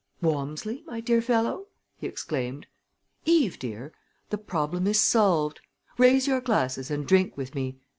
"Walmsley, my dear fellow!" he exclaimed. "Eve, dear! The problem is solved! Raise your glasses and drink with me.